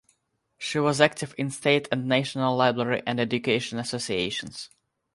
She was active in state and national library and education associations.